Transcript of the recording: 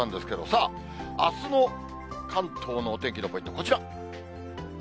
さあ、あすの関東のお天気のポイント、こちら。